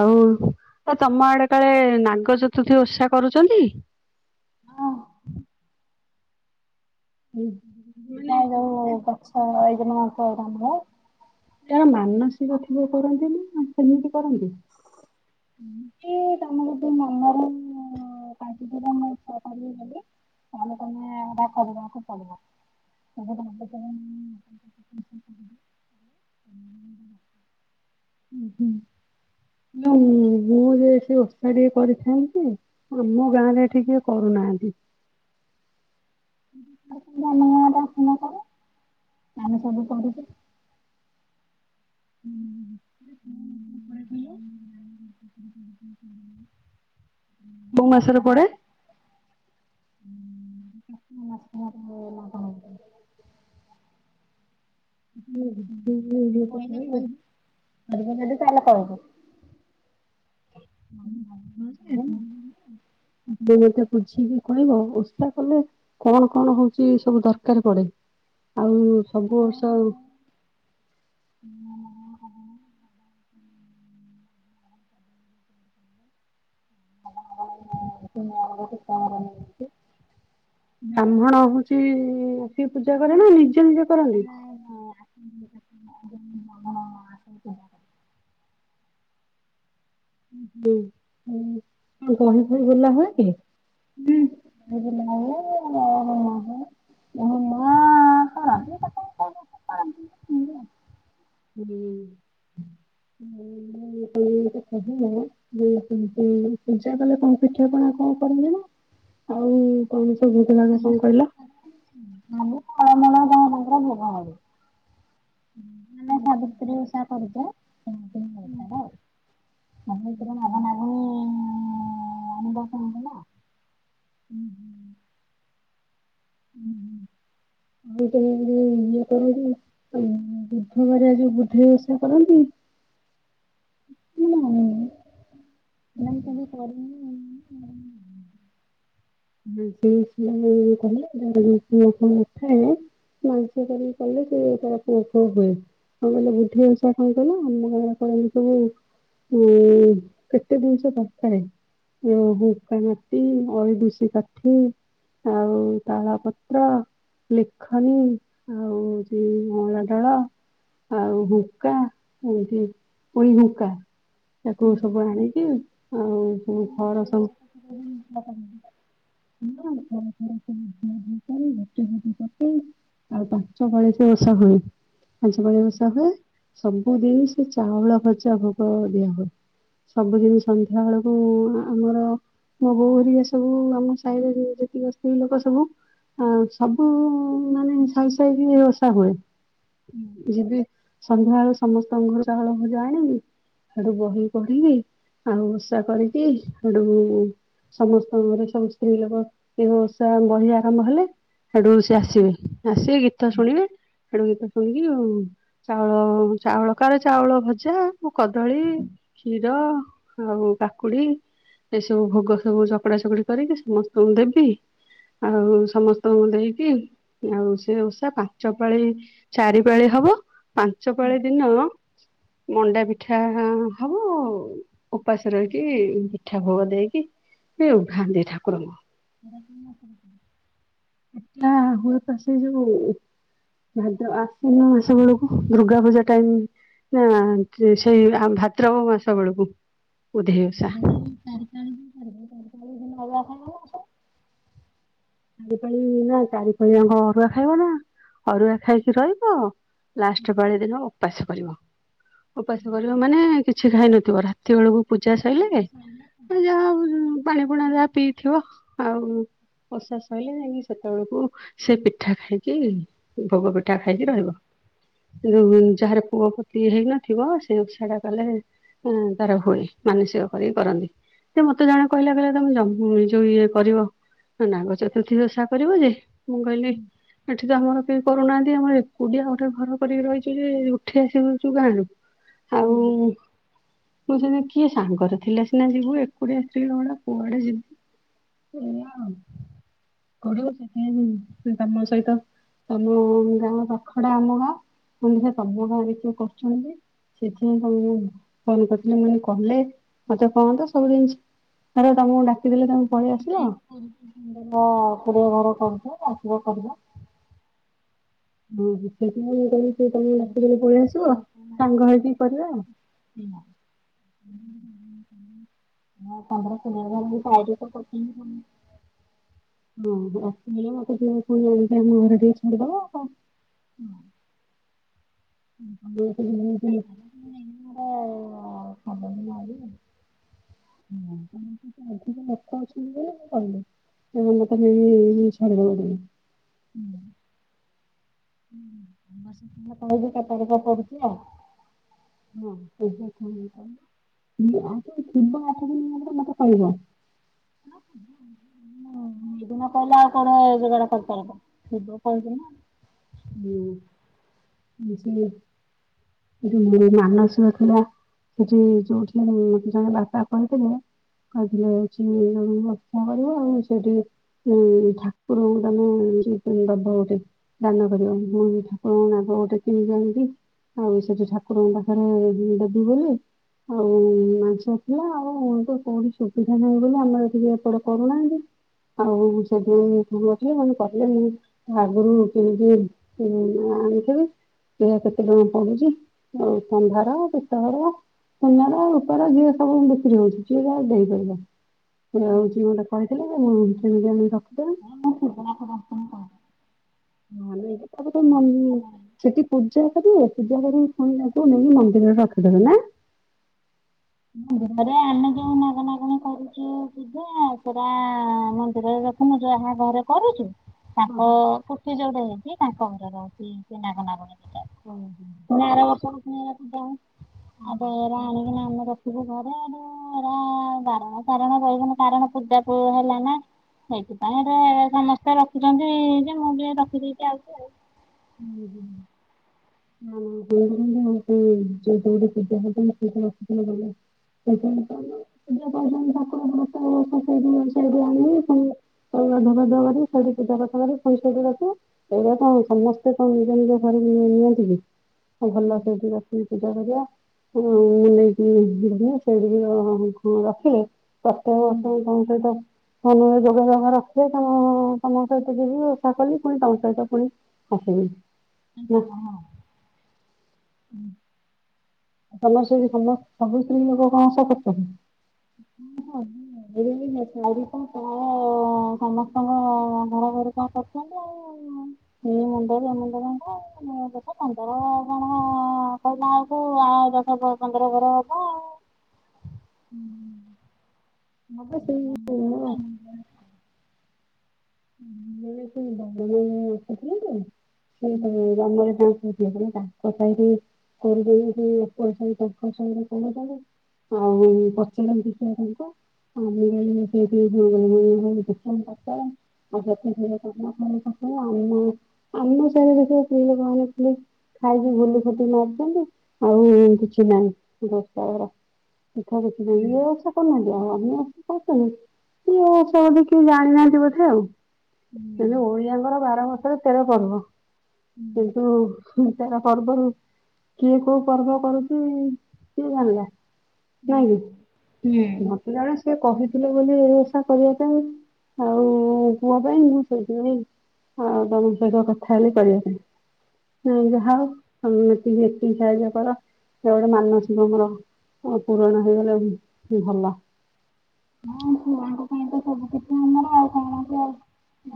ଆଉ ତ ତମ ଆଡେ କାଳେ ନାଗଚତୁର୍ଥୀ ଓଷା କରୁଛନ୍ତି? ହଁ। ମାନେ ନାଇ ଏ ଯୋଉ ଗଛ ଏଇକିନା କରା ହୁଏ। ଯାର ମାନସିକ ଥିବ କରନ୍ତିନା, ସେମିତି କରନ୍ତି? ଏମିତି ତମ ଗୋଟେ ମନର ତାଙ୍କୁ ସେଟା [unintelligible] ତମେକରିବାକୁ ପଡିବ। [unintelligible] ହୁଁ ହୁଁ, ମୁଁ ଯେ ସେ ଓଷା ଟିକେ କରିଥାନ୍ତି। ଆମ ଗାଁ ରେ ଏଠି କିଏ କରୁନାହାନ୍ତି। [unintelligible] ପରେ, ଆମେ ସବୁ କରୁଛୁ। ହୁଁ। କଣ୍ କହିଲୁ? [unintelligible] କୋଉ ମାସରେ ପଡେ? ନଭେମ୍ବର [unintelligible] ମିକ ଯ ଚାଲେ କହୁଛ। ମତେ ଟିକେ ବୁଝିକି କହିବ ଓଷା କଲେ କଣ କଣ ହଉଛି ସବୁ ଦରକାର ପଡେ, ଆଉ ସବୁ ବର୍ଷ [unintelligible] ବ୍ରାହ୍ମଣ ହଉଛି ସେ ପୂଜା କରେ ନା ନିଜ ନିଜ ନାଇଁ ନାଇଁ। ହଁ ସେ ହୁଁ ବହି ଫଇ ଗୋଲା ହୁଏ କି? ସେିଲାମା ମମା ଖ [unintelligible] ହ ହ ହୁ [unintelligible] ହଁ ହ କ [unintelligible] ସେତି [unintelligible] ପୂଜା କଲେ କଣ ପିଠିାପଣା କଣ କରିବେ ନା। ଆଉ କଣ ସବୁ ଭୁତ ଲାଗ କଣ କହିଲ? ଆମଳମଳ କଣ ତାଙ୍କର ଭୋଗ ହବ [unintelligible] ସାବିତ୍ରୀ ଓଷା କରୁଛ? ନମିତର ନନ [unintelligible] ଅନଭ କ ନା [unintelligible] ହୁଁ ହୁଁ। ହଁ ଆ [unintelligible] ବୁଧ ବାର ଆଜୀ ବୁଦ୍ଧେଇ ଓଷା କରନ୍ତି। ମୁଁ ଜାଣିନି ନାଇ କେବେ କରନି। ସେ ସ କହିଲ କଣ କଥା [unintelligible] ମାନସିକ କରିକି କଲେ ସେ ତାର ପୁଅ ଫୁଅ ହୁଏ। କଣ କହିଲେ ବୁଧେଇ ଓଷା କଣ କହିଲ ଆମ ଗାଁ ରେ କରନ୍ତି ସବୁ ଉଁୁ କେତେ ଜିନିସ ଦରକାରେ ଓ ହୁଙ୍କା ମାଟି ଅଇ ଦୁସି କାଠି। ଆଉ ତାଳ ପତ୍ର ଲିଖନୀ ଆଉ ହଉଛି ଅଁଳା ଡାଳ। ଆଉ ହୁଙ୍କା ଏମତି ଉଇ ହୁଙ୍କା। ତାକୁ ସବୁ ଆଣିକି ଆଉ ହୁଁ ଘର ସବୁ ହ [unintelligible] ହ [unintelligible] ଘର ଫର ସବୁ ଧୁଆ ଧୁଇ କରି ଝୋଟି ଫୋଟି ପକେଇ ଆଉ ପାଞ୍ଚ ପାଳି ସେ ଓଷା ହୁଏ। ପାଞ୍ଚ ପଳୀ ଓଷା ହୁଏ। ସବୁ ଦିନ୍ ସେ ଚାଉଳ ଭଜା ଭୋଗ ଦିଆ ହୁଏ। ସବୁଦିନ ସନ୍ଧ୍ୟା ବେଳକୁ ଆମର ମୋ ବୋଉ ହେରୀକ ସବୁ ଆମ ସାଇର ଯୁ ଯେତିକ ସ୍ତ୍ରୀ ଲୋକ ସବୁ ଆ ସବୁ ମାନେ ସାଇ ସାଇକି ଓଷା ହୁଏ। ଯିବି ସନ୍ଧ୍ୟାବେଳୁ ସମସ୍ତଙ୍କ ଘର ଚାଉଳଭଜା ଆଣବି। ହେଠୁ ବହି ପଢିବି ଆଉ ଓଷା କରିକି ହେଠୁ ସମସ୍ତଙ୍କ ଘରେ ସବୁ ସ୍ତ୍ରୀ ଲୋକ ଏ ଓଷା ବହି ଆରମ୍ଭ ହେଲେ ହେଠୁ ସେ ଆସିବେ ଆସିବେ ଗୀତ ଶୁଣିବେ ହେଠୁ ଗୀତ ଶୁଣିକି ଚାଉଳ ଚାଉଳ କାର ଚାଉଳ ଭଜା ମୁଁ କଦଳୀ କ୍ଷୀର ଆଉ କାକୁଡି ଏସବୁ ଭୋଗ ସବୁ ଚକଟା ଚକୁଟି କରିକି ସମସ୍ତଙ୍କୁ ଦେବି। ଆଉ ସମସ୍ତଙ୍କୁ ଦେଇକି ଆଉ ସେ ଓଷା ପଞ୍ଚପାଳି ଚାରି ପାଳି ହବ ପାଞ୍ଚ ପାଳି ଦିନ ମଣ୍ଡା ପିଠା ହବ ଅ ଓପାସ ରହିକି ପିଠା ଭୋଗ ଦେଇକି ସେ ଉଭାନ୍ତି ଠାକୁରଙ୍କୁ। ସେ [unintelligible] ଏକ୍ଲା ହୁଏ ତ ସେ ଯୋଉ ଭାଦ ଆସିନ ମାସ ବେଳକୁ ଦୁର୍ଗା ପୂଜା ଟାଇମ ନା ସେଇ ଭାଦ୍ରବ ମାସ ବେଳକୁ ବୁଧେଇ ଓଷା। ାରି ଦିନ ହବଣ [unintelligible] ଚାରି ପାଳି ନା ଚାରି ପାଳି ଆଙ୍କ ଅରୁଆ ଖାଇବ ନା ଅରୁଆ ଖାଇକି ରହିବ ଲାଷ୍ଟ ପାଳି ଦିନ ଉପାସ କରିବ। ଉପାସ କରିବ ମାନେ କିଛି ଖାଇନଥିବ ରା ସେତବେଳକୁ ପୂଜା ସଇଲେ ପୁଣି ଯାହା ପାଣି ପୁଣା ଯାହା ପିଇଥିବ ଆଉ ଓଷା ସଇଲେ ଯାଇଁକି ସେତେବେଳକୁ ସେ ପିଠା ଖାଇକି ଭୋଗ ପିଠା ଖାଇକି ରହିବ। ସେ ଯୋଉ ଯାହାର ପୁଅ ପୋତି ହେଇନଥିବ ସେ ଓଷା ଟା କଲେ ହୁଁ ତାର ହୁଏ। ମାନସିକ କରିକି କରନ୍ତି। ସେ ମତେ ଜଣେ କହିଲା କହିଲା ତମେ ଯମ ଯୋଉ ଇଏ କରିବ। ନାଗଚର୍ତୁଥିୀ ବି ଓଷା କରିବ ଯେ, ମୁଁ କହିଲି ଏଠି କିନ୍ତୁ ଆମର କେହି କରୁନାହାନ୍ତି। ଆମର ଏକୁଟିଆ ଗୋଟେ ଘର କରିକି ରହିଚୁ ଯେ ଉଠି ଆସିଚୁ ଗାଁ ରୁ। ଆଉ ମୁଁ ସେଇଥିପାଇଁ କିଏ ସାଙ୍ଗରେ ଥିଲେ ସିନା ଯିବୁ, ଏକୁଡିଆ ସ୍ତ୍ରୀ ଲୋକଟା କୁଆଡେ ଯିବୁ। [unintelligible] [unintelligible] ସେ ତମ ସହିତ ତମ ଗାଁ ପାଖ ଟା ଆମ ଗାଁ, କହିଲି ଦେଖିଆ ତମ ଗାଁରେ କିଏ କରୁଛନ୍ତି ସେଥିପାଇଁ ତମକୁ ମୁଁ ଫୋନ୍ କରିଥିଲି ମୁଁ କହିଲେ କଲେ ମତେ କହନ୍ତ ସବୁ ଜିନିଷ ଆରେ ତମକୁ ଡାକିଦେଲେ ତମେ ପଳେଇ ଆସିବ? ମୋ [unintelligible] ଘର କରୁଥିଲେ ଆସିବା କରିବା। ହଁ ହଁ ସେଇଥିପାଇଁ ମୁଁ କହିଲି ତମକୁ ହଁ ଡାକିଦେଲେ ପଳେଇ ଆସିବ ସାଙ୍ଗ ହେଇକି କରିବା ଆଉ। [unintelligible] [unintelligible] ଅ ହଁ। ଏଇ ମତେ ଟିକେ ପୁଣି ଆଣିକି ଆମ ଘରେ ଟିକେ ଛାଡ଼ିଦବ ଆଉ କଣ। ହୁଁ [unintelligible] [unintelligible] [unintelligible] ଅଧିକ ଲୋକ ଅଛନ୍ତି ବୋଲି ମୁଁ କହିଲି। ତମେ ମତେ ନେଇକି ଛାଡ଼ିଦବ ଟିକେ। ହୁଁ [unintelligible] କରୁଚି ଆଉ। [unintelligible] ଥିବ ଆଠ ଦିନ ମତେ କହିବ। [unintelligible] ସେଦିନ କହିଲେ ଆଉ କଣ ଯୋଗାଡ କରିପାରିବ। ଥିବ କହିବି ନା। [unintelligible] ମାନସିକ ଥିଲା। ସେଠି ଯୋଉଠି ଜଣେ ବାବା କହିଥିଲେ କହିଥିଲେ ହଉଚି ଯୋଉ [unintelligible] କରିବ ଆଉ ସେଇଠି ଉଁ ଠାକୁର ଙ୍କୁ ତମେ [unintelligible] ଦବ ଗୋଟେ। ଦାନ କରିବ। ଠାକୁରଙ୍କ ନାଗ ଗୋଟେ କିଣିିକି ଆଣିକି ଆଉ ସେଠି ଠାକୁରଙ୍କ ପାଖରେ ଦେବି ବୋଲି ଆଉ ମାନସିକ ଥିଲା ଆଉ ତ କୋଉଠି ସୁବିଧା ନାହିଁ ବୋଲି ଆମର ଏଠି କେହି ଏପଟେ କରୁନାହାନ୍ତି। ଆଉ ସେଦିନୁ [unintelligible] ଆଗରୁ [unintelligible] ଆଣିଥେବେ। ସେରା କେତେ ଟଙ୍କା ପଡୁଚି? ଯୋଉ ତମ୍ବା ର ପିତଳର ସୁନାର ରୂପା ର [unintelligible] ସବୁ ବିକ୍ରି ହଉଚି ଯିଏ ଯାହା ଦେଇପାରିବ। ସେରା ନା। ହଉଚି ମୋତେ କହିଥିଲେ ମୁଁ କିଣିକି ଆଣିକି ରଖିଦେବି। [unintelligible] ମନ୍ଦିରରେ [unintelligible] ସେଠି ପୂଜା କରିବେ। ପୂଜା କରିକି ପୁଣି ନେବେ ନେଇକି ମନ୍ଦିରରେ ରଖିଦେବେ ନା। ମନ୍ଦିରରେ ଆମେ ଯୋଉ ନାଗ ନାଗୁଣୀ କରୁଚୁ ପୂଜା ସେରା ମନ୍ଦିରରେ ର ତମେ ଯାହା ଘରେ କରୁଚୁ ତାଙ୍କ ଓହୋ କୁଠି ଯୋଉଠେ ହେଇଚି ତାଙ୍କ ଘର ର ସେଇ ନାଗ ନାଗୁଣୀ। ହଉ ପୁଣି ଆର ବର୍ଷ କୁ ପୁଣି ଏଇରା ପୂଜା ହବ। [unintelligible] ଆଣିକିନା ଆମର ଥିବ ଘରେ ଆଡୁ ଏରା ବାରଣ ଚାରଣ ରହିବନି। କାରଣ ପୂଜାକୁ ହେଲା ନା। ସେଇଥିପାଇଁ ଏରା ସମସ୍ତେ ରଖିଛନ୍ତି ଯେ ମୁଁ ବି ରଖିଦେଇକି ଆଉଚି ଆଉ। [inaudible] ହଁ [unintelligible] ପୂଜା ହେଇଥାନ୍ତା ସେଇଥିପାଇଁ ଆସିଥିଲେ କାଲି ନା। ସେଇଥିପାଇଁ ତ ଆମର ପୂଜା ଠାକୁର [unintelligible] ଆଣିବେ ପୁଣି ସବୁ ଗାଧୁଆ ପାଧୁଆ କରି ସେଇଠି ପୂଜା କରିସାରିଲାରୁ ପୁଣି ସେଇଠି ରଖିବ। ସେଇଆ ହଁ ସମସ୍ତେ କଣ ନିଜ ନିଜ ଘରେ ନିଅନ୍ତିି କି ଆଉ ହୁଁ ଭଲ ସେଇଠି ରଖି ପୂଜା କରିବା [inaudible] ନେଇକି [unintelligible] ସେଇଠିକି [unintelligible] ରଖିଲେ ପ୍ରତ୍ୟେକ ହୁଁ ବର୍ଷ ମୁଁ ତାଙ୍କ ସହିତ ତୋମେ ଭାଇ ଯୋଗ ଯାକ ରଖଥିବ। ତୋମ ତୋମ ସହିତ ଯିଏ ଯିବେ ଓଷା କଲିି ପୁଣି ତୋମ ସହିତ ପୁଣି ଆସିବେ। [unintelligible] ହୁଁ। ଭଲ ସବୁ ଯେ ଭଲ ସବୁ ସ୍ତ୍ରୀ ଲୋକ କଣ ଓଷା କରୁଚନ୍ତି? ମୁଁ କରି [inaudible] କଣ ସମସ୍ତଙ୍କ ଘ-ଘର ଘରିକା କରୁଛନ୍ତି ଆଉ। ହ [inaudible] ଏ ମୁଣ୍ଡ ସେ ମୁଣ୍ଡ ତାଙ୍କ ଘର, ମୁଁ ଦେଖ ପନ୍ଦର କଣ କହିଲା ଆକୁ ଆ [unintelligible] ହବ ପନ୍ଦର ବର ଖା। ହୁଁ। ହଁ ବା ସେଇ ମୋ ପାଇଁ [inaudible] [inaudible] ଏଇ ସେଇ [inaudible] ସେଇଟା ବି ଆମରି ଯୋଉ ପୂଜା କଲେ ତା କଥା ହେଇକି କରିଦେଇକି [unintelligible] ତାଙ୍କ ସାଙ୍ଗରେ କଲେ ଯାଇକି। ଆଉ [unintelligible] ପଚାରନ୍ତି ସେ [unintelligible] ହଁ ମୁଁ ଯାଇଥିନି ସିଏ [unintelligible] ଆଉ ସେକେଣ୍ଡ ଥର ଯାଇଥାନ୍ତି ନା [unintelligible] ଆମେ ବି, ଆମେ ବି ସେଇଆ [unintelligible] ଖାଇକି ବୁଲି ଫୁଟି ମାରି ଦିଅନ୍ତି, ଆଉ କିଛି ନାହିଁ। [unintelligible] ପିଠା କିଛି ଦେଇନି ଏ ବର୍ଷ କରନାହି। ଯାହା ଆମେ ଆସି ପଚାରନି, କି ଏ ବର୍ଷ ଏବେ କେହି ଜାଣିନାହାନ୍ତି ବୋଧେ ଆଉ। ହୁଁ। ଏବେ ଓଡ଼ିଆଙ୍କର ବାର ମାସରେ ତେର ପର୍ବ। କିନ୍ତୁ ହୁଁ, ତେର ପର୍ବରୁ କିଏ କୋଉ ପର୍ବ କରୁଛି କିଏ ଜାଣିଲା? ଜାଣଲି, ମୋତେ ଧର ସିଏ କହିଥିଲେ ବୋଲି ଏ ଓଷା କରିବା ପାଇଁ ଆଉ ପୁଅ ପାଇଁ, ମୁଁ ସେଇଠି କନି, ଆଉ ତୋମ ସହିତ କ ଥା ହେଲେ କରିବ ପାଇଁ। ନାଇଁ ଯାହା ହଉ ଆଉ ଏତିକି ଏତିକି ସାହାଯ୍ୟ କର, ସେ ଗୋଟେ ମାନସିକ ମୋର ଆଉ ପୁରଣ ହେଇଗଲେ ଭଲ। ହଁ ଛୁଆଙ୍କ ପାଇଁ ତ ସବୁ କିଛି ଆମର। ଆଉ କଣ ଅଛି ଆଉ।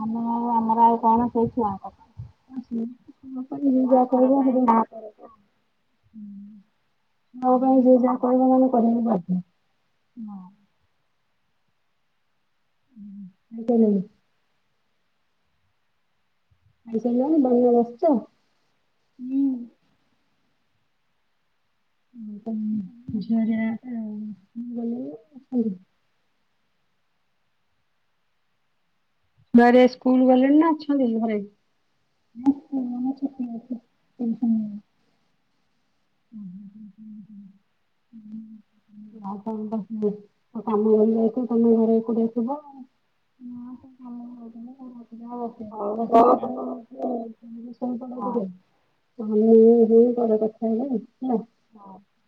ଆମେ ଆଉ ଆମର ଆଉ କଣ ସେଇ ଛୁଆଙ୍କ ପାଇଁ। [unintelligible] ଯିଏ ଛୁଆ ଯା ଘର କହିବେ ଆମେ ପାଇଁ ସବୁ ଯାହା କରିବେ ଆଉ। ମୋ ପାଇଁ ଯିଏ ଯାହା କହିବ ମାନେ କରିବା ଲାଗି ବାଧ୍ଯ। ମୋ [unintelligible] ଖାଇସାଇଲଣି ଦୋଳିରେ ବସଚ। ମୁଁ ମୁଁ ତ ଉଁ, ଝିଆରୀ ନାଁ ରେ [unintelligible] ଘରେ ସ୍କୁଲ୍ ଗଲେଣି ନା ଅଛନ୍ତି ଘରେ? ନା ଛୁଆଙ୍କର ନା ଛୁଟି ଅଛି [unintelligible] ଓ ହଁ [inaudible] [inaudible] [unintelligible] [unintelligible] ବସିଛି ଆଉ। [unintelligible] [unintelligible] [inaudible]